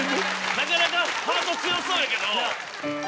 なかなかハート強そうやけど。